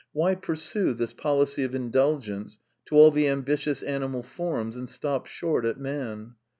Why pursue this policy of indulgence to all the ambitious animal forms and stop short at man